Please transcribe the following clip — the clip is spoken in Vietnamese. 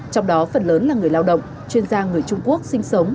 trong đó phần lớn là người lao động chuyên gia người trung quốc sinh sống